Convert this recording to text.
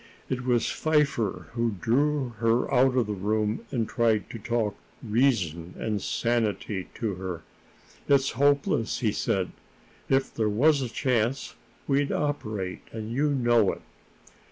It was Pfeiffer who drew her out of the room and tried to talk reason and sanity to her. "It's hopeless," he said. "If there was a chance, we'd operate, and you know it."